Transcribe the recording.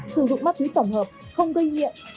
sử dụng ma túy tổng hợp không gây nghiện